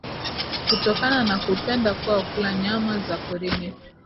kutokana na kupenda kwao kula nyama za porini